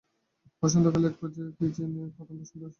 বসন্তকালে এবার কি জীবনে প্রথম বসন্ত আসিল মতির?